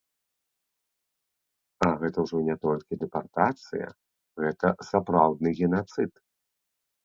А гэта ўжо не толькі дэпартацыя, гэта сапраўдны генацыд.